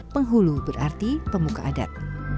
penghulu berarti pemuka adat